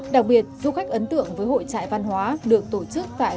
đặc biệt du khách ấn tượng với hội trại văn hóa được tổ chức tại